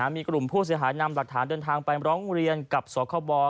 มีกลุ่มผู้เสียหายนำหลักฐานเดินทางไปร้องเรียนกับสคบ